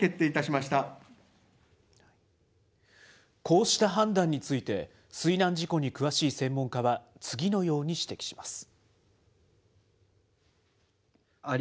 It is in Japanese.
こうした判断について、水難事故に詳しい専門家は、次のように指摘します。